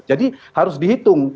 jadi harus dihitung